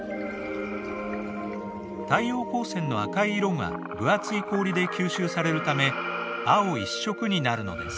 太陽光線の赤い色が分厚い氷で吸収されるため青一色になるのです。